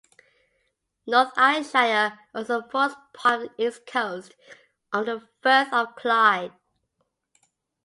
North Ayrshire also forms part of the east coast of the Firth of Clyde.